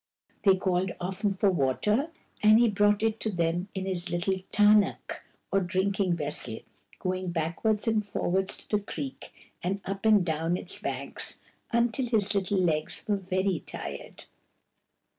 They called often for water, and he brought it to them in his little tarnuk, or drinking vessel, going back wards and forwards to the creek, and up and down its banks, until his little legs were very tired.